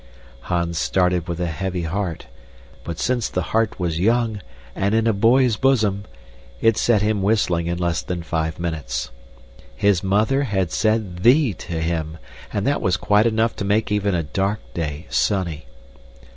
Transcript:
Hans started with a heavy heart, but since the heart was young and in a boy's bosom, it set him whistling in less than five minutes. His mother had said "thee" to him, and that was quite enough to make even a dark day sunny.